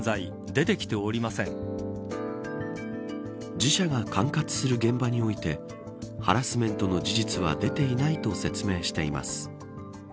自社が管轄する現場においてハラスメントの事実は出ていないと説明しています。